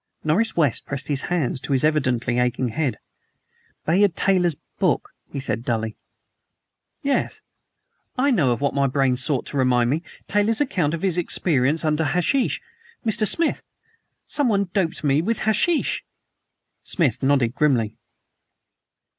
Norris West pressed his hands to his evidently aching head. "Bayard Taylor's book," he said dully. "Yes! ... I know of what my brain sought to remind me Taylor's account of his experience under hashish. Mr. Smith, someone doped me with hashish!" Smith nodded grimly.